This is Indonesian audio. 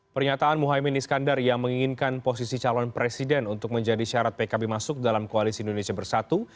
pernyataan muhaymin iskandar yang menginginkan posisi calon presiden untuk menjadi syarat pkb masuk dalam koalisi indonesia bersatu